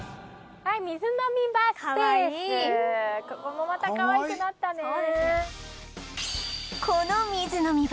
ここもまたかわいくなったね！